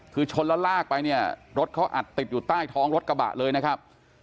คือชนแล้วลากไปเนี่ยรถเขาอัดติดอยู่ใต้ท้องรถกระบะเลยนะครับ